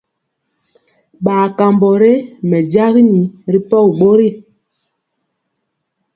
Bar kambɔ ré mɛjagini ri mir bori.